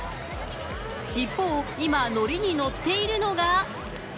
一方、今、乗りに乗っているのが。